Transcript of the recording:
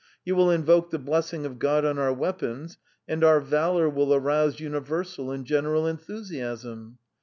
You will invoke the blessing of God on our weapons, and our valour will arouse universal and general enthusiasm.